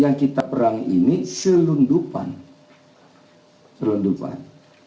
yang kita perang ini selundupan selundupan